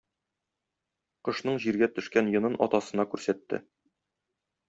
Кошның җиргә төшкән йонын атасына күрсәтте.